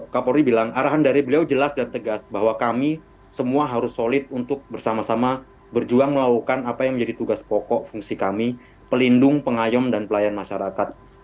kapolri bilang arahan dari beliau jelas dan tegas bahwa kami semua harus solid untuk bersama sama berjuang melakukan apa yang menjadi tugas pokok fungsi kami pelindung pengayom dan pelayan masyarakat